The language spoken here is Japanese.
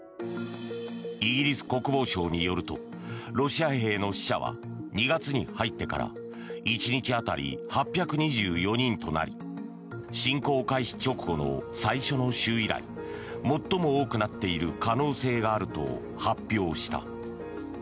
イギリス国防省によるとロシア兵の死者は２月に入ってから１日当たり８２４人となり侵攻開始直後の最初の週以来最も多くなっている可能性があると発表した。